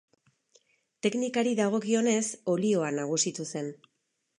Teknikari dagokionez, olioa nagusitu zen.